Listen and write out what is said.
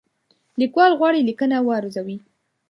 لیکوال غواړي لیکنه وارزوي.